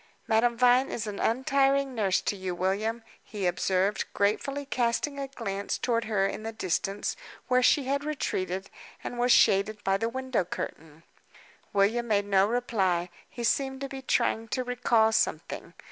"Madame Vine is an untiring nurse to you, William," he observed, gratefully casting a glance toward her in the distance, where she had retreated, and was shaded by the window curtain. William made no reply; he seemed to be trying to recall something.